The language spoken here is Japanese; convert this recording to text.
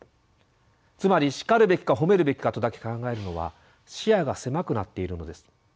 つまり「叱るべきか褒めるべきか」とだけ考えるのは視野が狭くなっているのです。